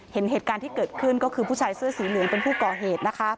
เหตุการณ์ที่เกิดขึ้นก็คือผู้ชายเสื้อสีเหลืองเป็นผู้ก่อเหตุนะคะ